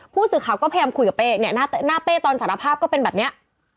ผู้สื่อข่าวก็พยายามคุยกับเป้เนี่ยหน้าเป้ตอนสารภาพก็เป็นแบบเนี้ย